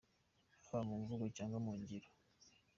Haba mu mvugo cyangwa mu ngiro